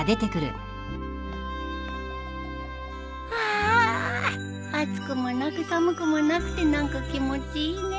あ暑くもなく寒くもなくて何か気持ちいいね。